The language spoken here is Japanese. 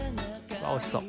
あっおいしそう。